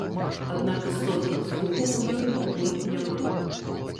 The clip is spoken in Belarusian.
Аднак істотных зрухаў у ёй пакуль няма.